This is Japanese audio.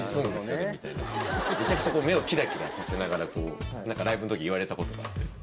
めちゃくちゃ目をキラキラさせながらライブの時言われたことがあって。